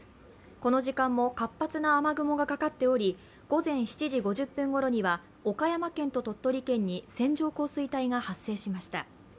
この時間も活発な雨雲がかかっており午前７時５０分ごろには、岡山県と鳥取県に線状降水帯が発生しました。